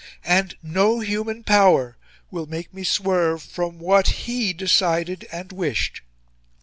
And NO HUMAN POWER will make me swerve from WHAT HE decided and wished."